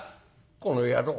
「この野郎。